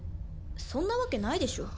そんなわけないでしょ。